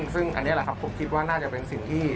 ซึ่งอันนี้แหละครับผมคิดว่าน่าจะเป็นสิ่งที่